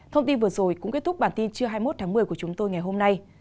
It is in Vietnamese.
thông tin vừa rồi cũng kết thúc bản tin trưa hai mươi một tháng một mươi của chúng tôi ngày hôm nay